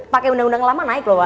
pakai undang undang lama naik loh pak